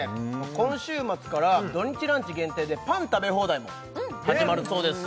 今週末から土日ランチ限定でパン食べ放題も始まるそうです